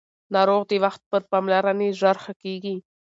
ناروغ د وخت پر پاملرنې ژر ښه کېږي